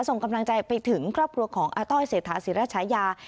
ส่งกำลังใจไปถึงครอบครัวของอาต้อยเศรษฐาศิราชายา